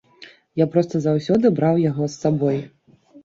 Я проста заўсёды браў яго з сабой.